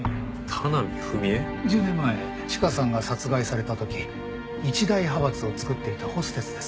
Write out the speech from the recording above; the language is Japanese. １０年前チカさんが殺害された時一大派閥を作っていたホステスです。